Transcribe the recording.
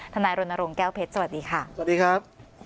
นายรณรงค์แก้วเพชรสวัสดีค่ะสวัสดีครับ